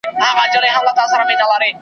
د سلماني ریشتیا .